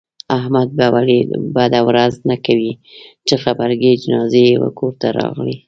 احمد به ولې بده ورځ نه کوي، چې غبرگې جنازې یې کورته راغلې.